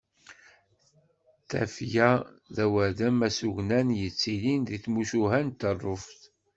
Tafya d awadem asugnan yettilin deg tmucuha n Tuṛuft.